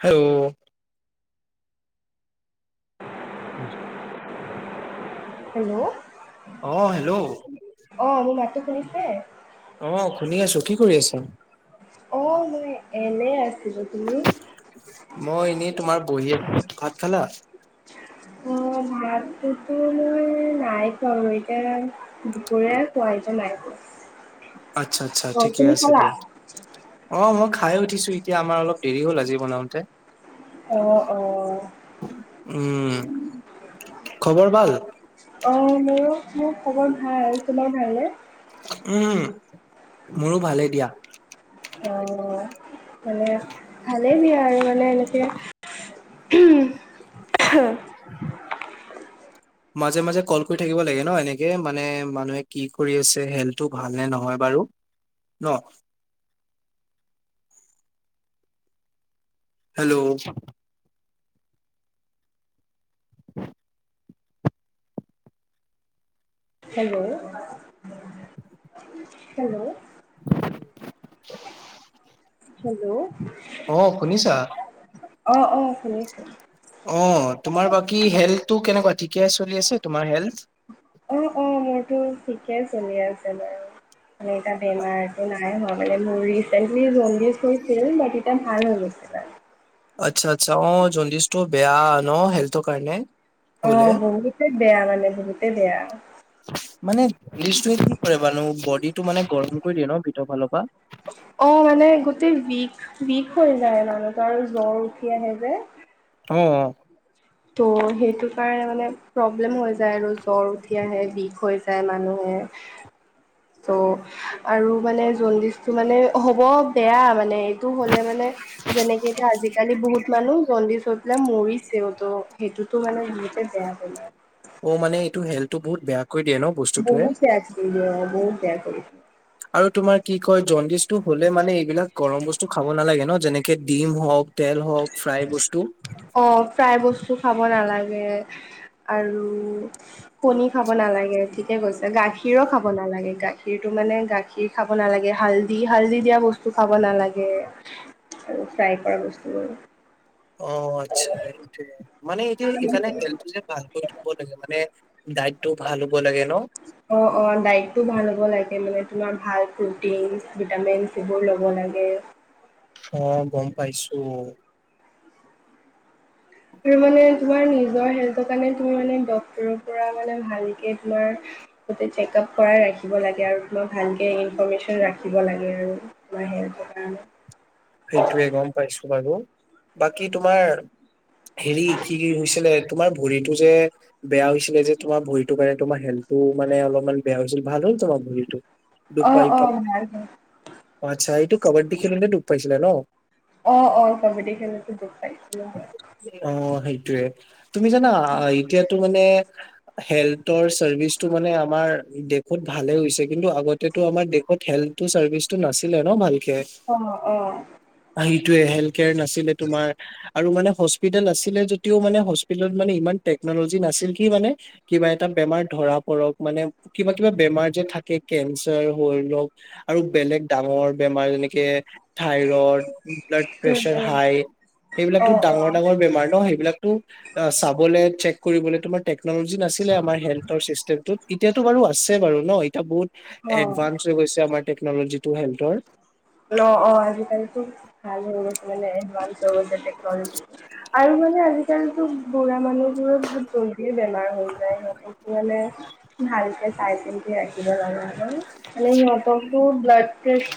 হ [unintelligible] [inaudible] [inaudible] হেল্ল' অ' হেল্ল' অ' মোৰ মাতো শুনিছে? অ' শুনি আছো, কি কৰি আছা? অ' মই এনেই আছো। কি কৈছিলি? মই এনেই তোমাৰ বহি আছো ভাত খালা? উ ভাল। সেইটো মই নাই পওঁ এতিয়া দুপোৰে পোৱজন নাই। আচ্ছা আচ্ছা অ ঠিকে তুমি আছে খালা দিয়া, অ' মোক খাই উঠিছো এতিয়া আমাৰ অলপ দেৰি হ'ল আজি বনাওঁতে। অ' অ'। উম, খবৰ ভাল? ম খবৰ ভাল, তোমাৰ ভালনে? উম, মোৰো ভালেই দিয়া। অ' মানে ভালেই বিয়া আৰু মানে এনেকে। [inaudible] হ [unintelligible] মাজে মাজে কল কৰি থাকিব লাগে ন এনেকে মানে মানুহে কি কৰি আছে হেল্থটো ভাল নে নহয় বা। [unintelligible] হেল্ল' [inaudible] হেল্ল' হেল্ল' হেল্ল' অ' শুনিছা? অ' অ' শুনিছোঁ। অ' তোমাৰ বাকী হেল্থটো কেনেকুৱা ঠিক অ' অ 'মোৰতো ঠিকে আছে। চলিছে মোৰো মানে এটা বেমাৰটো নাই ম মানে মৰি জল্ডি কৰিছিল ব এতিয়া ভাল হৈ গৈছিল। আচ্ছা আচ্ছা অ' জণ্ডিষ্টটো বেয়া ন হেল্থৰ কাৰণে। হ'লে। অ' বহুতে বেয়া মানে বহুতে বেয়া। মানে কৰে মানুহো বডিটো মানে গৰম কৰি দিয়ে ন ভিতৰ ফালৰ পৰা। [inaudible] অ' মানে গোটেই বিষ বিষ হৈ যায় মানে তাৰ জ্বৰ উঠি আহে যে। অ' অ'। ত' সেইটো কাৰণে মানে প্ৰব্লেম হৈ যায় আৰু জ্বৰ উঠি আহে বিষ হৈ যায় মানুহে এ ত আৰু মানে জণ্ডিচটো মানে হ'ব বেয়া মানে এইটো হ'লে মানে যেনেকে এতিয়া আজিকালি বহুত মানুহ জণ্ডিছ হৈ পেলাই মৰিছেও ত' সেইটোতো মানে সেনেকে বেয়া হয় না অ মানে এইটো হেলো বহুত বেয়া কৰি দিয়ে ন বস্তুটোৱে। বহুত বেয়া কৰি দিয়ে বহুত বেয়া কৰি দিয়ে আৰু তোমাৰ কি কয় জণ্ডিচটো হ'লে মানে এইবিলাক গৰম বস্তু খাব নালাগে ন যেনেকে ডিম হওঁক তেল হওঁক অ প্ৰায় বস্তু খাব খাব নালাগে আৰু কণী খাব নালাগে ঠিকেই কৈছা গাখীৰো খাব নালাগে গাখীৰটো মানে গাখীৰ খাব নালাগে হালধি হালধি দিয়া বস্ তো খাব নালাগে আৰু ফ্ৰাই কৰা বস্তুবোৰ অ আচ্ছা আচ্ছা মানে এই যে এইকাৰণে হেল টো যে ভাল কৰি থব লাগে মানে ডাইটটো ভাল হ'ব লাগে ন? অ অ দাইতটো ভাল হ'ব লাগে মানে তোমাক ভাল প্ৰটিন, ভিটামিনছ এইবোৰ ল'ব লাগে অ গম পাইছো আৰু মানে তোমাৰ নিজৰ হেল্থৰ কাৰণে তুমি মানে ডাক্তৰৰ পৰা মানে ভালকে তোমাৰ চেক আপ কৰাই ৰাখিব লাগে আৰু তোমাৰ ভালকে ইনফমেশচন ৰাখিব লাগে আৰু তোমা [unintelligible] সেইটোয়ে গম পাইছো বাৰু বাকী তোমাৰ হেৰি কি কি হৈছিলে তোমাৰ ভৰিতো যে বেয়া হৈছিলে যে তোমাৰ ভৰিটোৰ কাৰণে তোমাৰ হেল্থটো মানে অলপমান বেয়া হৈছিল ভাল হ'ল তোমাৰ ভৰিটো দুখ অ', পাই অ', ভাল হয়। আচ্ছা এইটো কাবাডী খেলোতে দুখ পাইছিলা ন? অ অ কাবাডী খেলো বখ পাইছিলো য় তুমি জানা এতিয়াতো মানে হেল্থৰ চাৰ্ভিচটো মানে আমাৰ দেশত ভালে হৈছে কিন্তু আগতেতো আমাৰ দেশত হেল্থ টো চাৰ্ভিচটো নাছিলে ন ভালকে অঁ হেল্থ কেয়াৰ নাছিলে তোমাৰ আৰু হস্পিটেল আছিলে যদিও মানে হস্পিতেলত মানে ইমান কে টেকনলজি নাছিল কি মানে কিবা এটা বেমাৰ ধৰা পক মানে কিবা কিবা বেমাৰ যে থাকে কেঞ্চাৰ হ লওক আৰু বেলেগ ডাঙৰ বেমাৰ যেনেকে থাইৰইড ব্লাড ঠিক প্ৰেছাৰ আছে, হাই সেইবিলাকতো অ', অ', ডাঙৰ ডাঙৰ বেমাৰ ন সেইবিলাকতো অ চাবলে চেক কৰিবলৈ তোমাৰ টেকন'লজি নাছিলে আমাৰ হেল্থৰ চিষ্টেমত এতিয়াাতো বাৰু আছে বাৰু ন এতিয়া বহুত অ'। এডভানস হৈ গৈছে আমাৰ টেকনলজিটো হেল্থৰ অ অ আজিকালিটো ভাল হৈ গৈছে মানে এডভানস হৈ গৈছে টেকনলজি আৰু মানে আজিকালিতো বুঢ়া মানুহ মোৰত জল্দিয়ে বেমাৰ হৈ যায় সিহঁত এইটো মানে ভালকে চাই ৰাখিব মানে সিহঁতকো ব্লাড প্ৰেচ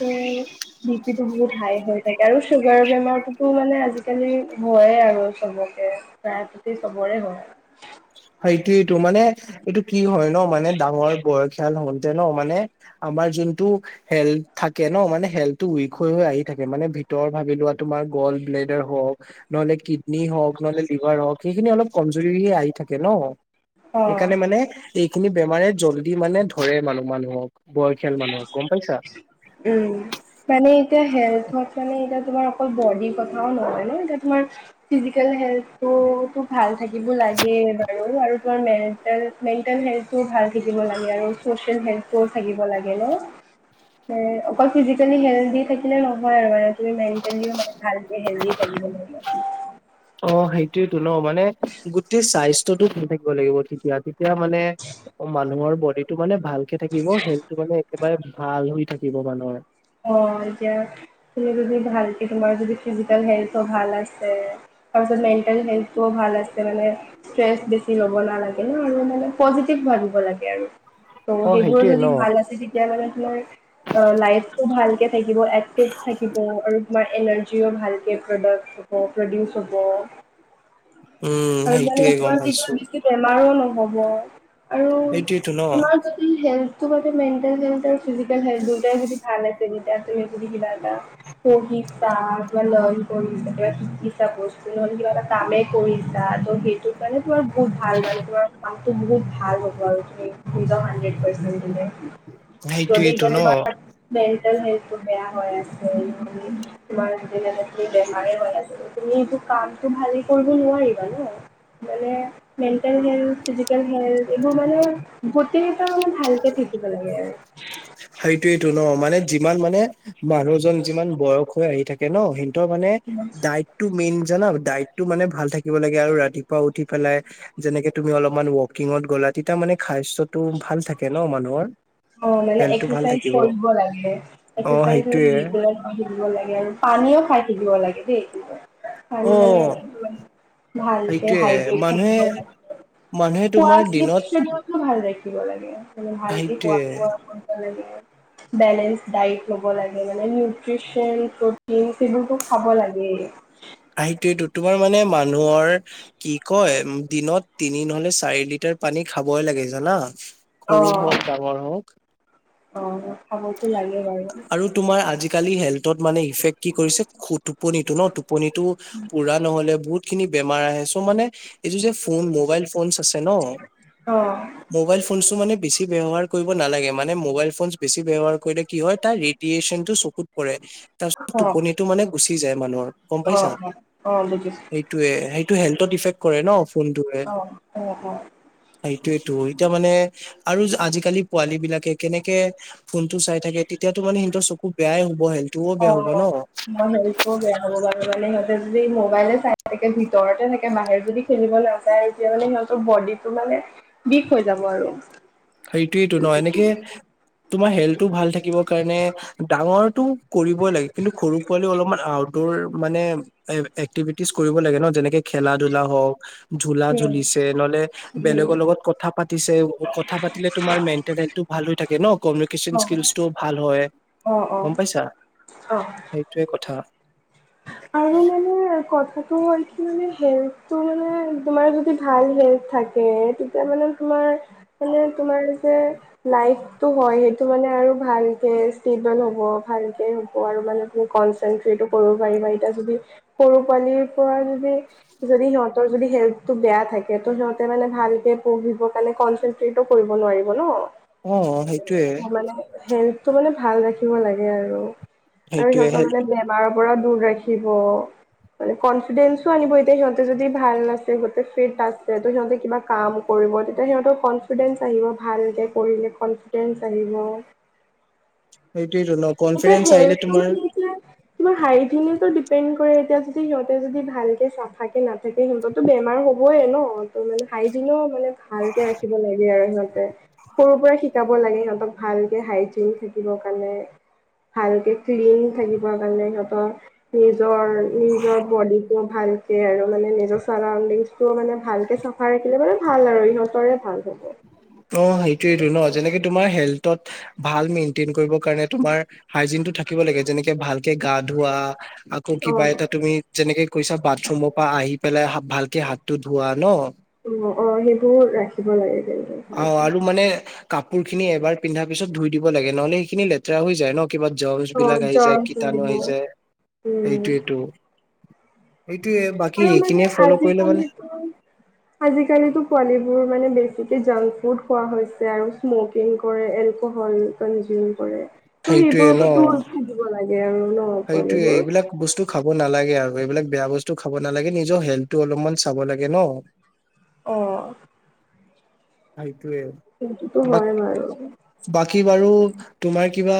টো বহুত হাই হৈ থাকে আৰু চুগাৰ বেমাৰতোত মানে আজিকালি হয়ে আৰু চবকে প্ৰায় প্ৰতিতি চবৰে হয় টো মানে এইটো কি হয় ন মানে ডাঙৰ খ হ ন মানে আমাৰ যোনটো হেল থাকে ন মানে হেলটো উইক হৈ [unintelligible] সেইখিনি অলপ কমজুৰিহে আহি থাকে ন অ সেইকাৰণে মানে এইখিনি বেমাৰে জল্দি মানে ধৰে মানুহ মানুহক বয়সীয়াল মানুহক গম পাইছা উম মানে এতিয়া হেল মানে এয়া তোমাৰ অকল বডিৰ কথাও নহয় ন এতিয়া তোমাৰ ফিজিকেল হেল্থটো ত ভাল থাকিব লাগে বাৰু আৰু তাৰ মেেল মেণ্টেল হেল্থ ভাল থাকিব লাগে। হেনক্ট্ৰ থাকিব লাগে ন অকল ফিজিকেলি হেল্ডি থাকিলে নহয় আৰু মানে তুমি মেণ্টেলিও মানে ভাল হেল্ডি থাকিব লাগিব। তেওঁলোক মানে গোটেই চাইজ [unintelligible] থাকিব লাগিব তেতিয়া তেতিয়া মানে মানুহৰ বডীটো মানে ভাল। কে থাকিব হেল্থটো মানে একেবাৰে ভাল হৈ থাকিব মানুহৰ। অ' এতিয়া তুমি যদি ভালকে তোমাৰ যদি ফিজিকেল হেল্থ ভাল আছে, তাৰপিছত মেন্টেল হেল্থটো ভাল আছে মানে ষ্টেচ বেছি ল'ব নালাগে ন আৰু মানে পজিটিভ ভাবিব লাগে। কে আৰু তোৰ অ সেইবোৰ সেইটোৱে যদি ন ভাল আছে, তেতিয়া হ'লে তোমাৰ আহ লাইফ ভালকে থাকিব, এক্টিভ থাকিব আৰু তোমাৰ এনাৰ্জিও ভালকে প্ৰডাক্ট হ'ব প্ৰডিউচ হ'ব উম আৰু মানে সেইটোয়ে গম তোমাৰ তেতিয়া পাইছো বেছি বেমাৰো নহয়। আৰু সেইটোয়েতো ন তোমাৰ যদি হেল্থ টো যদি মেণ্টেল চেণ্টল ফিজিকেল হয় দুইটাই যদি [unintelligible] নহ'লে কিবা এটা কামে কৰি যাৰ সেইটো কাৰণে তোমাৰ বহুত ভাল মানে তোমাৰ মানতো বহুত ভাল। [unintelligible] যদি সেইটোয়েতো এতিয়া ন তোমাৰ মেণ্টেল হেল্থ টো বেয়া হৈ আছে। তোমাৰ [unintelligible] তুমি সেইটো কামতটো ভালে কৰিব নোৱাৰিবা ন। মানে মেণ্টেল হেল্থ, ফিজিকেল হেল্থ, এইবোৰ মানে গোটকেইটা মানে ভালকে থাকিব। কি পালেগে? [inaudible] সেইটোৱেইটো ন'! মানে, যিমান মানে, মানুহজন যিমান বয়স হৈ আহি থাকে ন'! সি হঁতৰ মানে, ডাইটটো মেইন জানা, ডাইটটো মানে, ভাল থাকিব লাগে। আৰু ৰাতিপুৱা উঠি পেলাই, যেনেকে তুমি অলপমান ৱকিঙত গ'লা। তেতিয়া মানে, স্বাস্থ্যটো ভাল থাকে ন' মানুহৰ। অ' মানে হেল্থটো ভাল এক্সচাইজ থাকিব কৰিব লাগে, অ এক্সচাইজ মানে সেইটোয়ে ৰেগুলাৰ কৰি থাকিব লাগে। পানীও খাই থাকিব লাগে, দেই। [unintelligible] পানী অ মানে, ভালক সেইটোয়ে হাইড্ৰেট মানুহে থাকিব লাগে। মানুহে শুৱা তোমাৰ শ্লিপ দিনত শ্বেডিউলটো ভাল ৰাখি দিব লাগে, মানে ভালকে সেইটোয়ে খোৱা-বোৱা কৰিব লাগে। [inaudible] বেলেঞ্চ ডাইট ল'ব লাগে। মানে, নিউট্ৰিচন, প্ৰ'টিন সেইবোৰো খাব লাগে। আহ, সেইটোৱেটো তোমাৰ মানে মানুহৰ কি কয় দিনত তিনি নহলে চাৰি লিটাৰ পানী খাবই লাগে জানা! অ সৰু হওঁক, ডাঙৰ হওঁক। অ' খাবতো লাগে বাৰু। আৰু তোমাৰ আজিকালি, হেল্থত মানে, ইফেক্ট কি কৰিছে, [unintelligible] টোপনিটো ন' টোপনিটো পূৰা নহ'লে বহুত খিনি বেমাৰ আহে। চ' মানে, এইটো যে ফোন, মোবাইল ফোন আছে ন'! অ মোবাইল ফো ফোনটো মানে, বেছি ব্যৱহাৰ কৰিব নালাগে, মানে, মোবাইল ফোন বেছি ব্যৱহাৰ কৰিলে, কি হয়, তাৰ ৰেডিয়েচনটো চ কুত পৰে। তাৰপিছত, অ টোপনিটো মানে, গুচি যায় মানুহৰ। গম অ পাইছা? অ অ বুজিছো সেইটোৱে, সেইটোৱে হেল্থত ইফেক্ট কৰে ন'। ফোনটোৱে। অ' হ হ সেইটোৱেতো, এতিয়া মানে, আৰু আজিকালি পোৱালী বিলাকে, কেনেকে ফোন টো চাই থাকে, তেতিয়াতো মানে, সিহঁতৰ চকু বেয়াই হ'ব। [unintelligible] অ'! হ'ব ন সেই কৰোঁ, বেয়া হ'ব কাৰণে মানে, সিহঁতে যদি মোবাইলে চাই থাকে, ভিতৰতে থাকে, বাহিৰত যদি, খেলিব নাযায়। এতিয়া মানে, সিহঁতৰ ব টো মানে বিষ হৈ যাব আৰু। সেইটোৱেতো ন'! এনেকে, তোমাৰ হেল্থটো ভাল থাকিবৰ কাৰণে, ডাঙৰটো কৰিবই লাগে কিন্তু ঘৰু পোৱালি অলপমান দৰ মানে এক্টিভিটিজ কৰিব লাগে ন যেনেকে খেলা ধলা হওঁক ঝোলা উম ঝুলিিছে নহলে উম বেলেগৰ লগত কথা পাতিছে কথা পাতিলে তোমাৰ মেণ্টেল হেলটো ভাল হৈ থাকে ন কমিউনিকেশ্যন অ স্কিলছটো ভাল হয় অ', অ', গম পাইছা অ', সেইটোৱে কথা হয় কি মানে হেল্থটো মানে তোমাৰ যদি ভাল হেল্থ থাকে তেতিয়া মানে তোমাৰ তোমাৰ যে লটো হয় সেইটো মানে আৰু ভালকে স্পিড হ'ব ভালকে হ'ব আৰু মানে তুমি কনচেনট্ৰেটো কৰিব পাৰিবা যদি সৰু পোৱালিৰ পৰা যদি যদি সিহঁতৰ যদি হেল্থটো বেয়া থাকে ত' সিহঁতে মানে ভালকে পঢ়িবৰ কাৰণে কনচেনট্ৰেটো কৰিব নোৱাৰিব ন। অ সেইটোয়ে আ মানে হে সিহটো মানে ভাল ৰাখিব লাগে আৰু আৰু সেইটোয়ে সিহঁতৰ হেল্থ মানে বেমাৰৰ পৰা দূৰ ৰাখিব থখিব মানে কনফিডেসও আনিব সিহঁতে যদি ভাল নাছে সিহঁতে ফিট আছে ত সিহঁতে কিবা কাম কৰ ৰি ভি [unintelligible] সেইটোয়েতো ন এতিয়া কনফিডেন্স আহিলে হেেল্থটো তোমাৰ মানে এতিয়া িবাৰ হাইনে ডিপেণ্ড কৰে এতিয়া যদি সিহঁতে যদি ভালকে চাফাক কেে নাে তাকে সিহঁতো বেমাৰ হ'বই ন ত মানে হাইজিনো মানে ভালকে ৰাখিব লাগে আৰু সিহঁতে সৰুৰ পৰা শ শিকাব লাগে সিহঁতক ভালকে হাইজিন থাকিবৰ কাৰণে [unintelligible] ভালকে ক্লিন থাকিব কাৰণে সিহঁতৰ নিজৰ নিজৰ বডিটোো ভালকে আৰু মানে নিজৰ চাৰাডিংটো মানে ভালকে চাফা ৰাখিলে মানে ভাল আৰু ইহঁতৰে ভাল হ'ব অ সেইটোয়েইটো ন যেনেকে তোমাৰ হেল [unintelligible] গা ধোৱা আকৌ কিবা অ', এটা তুমি যেনেকে কৈছা বাট চুমৰ পৰা আহি পেলাই ভালকে হাতটো ধোৱা ন অ অ সেইবোৰ ৰাখিব লাগে কিন্তু অ ভালকে। আৰু মানে কাপোৰ খিনি এবাৰ পিন্ধা পিছত ধুই দিব লাগে নহলে সেইখিনি লেতেৰা হৈ যায় ন কিবা জলছ অ', বিলাক আহি জ্বৰ যায় কীটানণু তুলিব আহি যায় উম, এইটোয়েইটো আৰু মে ফ'ল' আজি কৰিলে মানে তি আজিকালিিতো পোৱালীিবোৰ মানে বেছিকে জ বহুত খোৱা হৈছে আৰু স্মকিং কৰে এলকহল কনজিউম কৰে। ত' সেইটোয়ে সেইবোৰৰক ন দৰকৈ দিব লাগে আৰু ন' সেইটোয়ে পোৱালীবোৰ। এইবিলাক বস্তু খাব খ নালাগে আৰু এইবিলাক বেয়া বস্তু খাব নালাগে নিজৰ হেল্থটো অলপমান চাব লাগে ন অঁ সেইটোোৱে ব হয় বাৰু। বাকী বাৰু তোমাৰ কিবা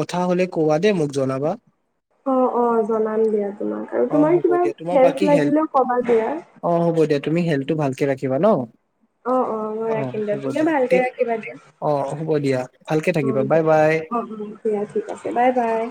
কথা হ'লে কব দে মোক জনাবা অাম দিয়া তমাক অ আৰুমাৰ হ'ব কিবা দিয়া তোমাৰ বাকী হেল্প হেল্থ লাগিলে কা দিয়া অ হ'ব দিয়া তুমি হেল্থটো ভালকে ৰাখিবা ন অ অ মই ৰাখিম দেিয় হ'ব তুমও দিয়া ভালকে ঠিক ৰাখিবা দিয়া অ হ'ব দিয়া ভালকে উ থাকিবা দে বাই বাই অ অ দয়া ঠিক আছে বাই বাই।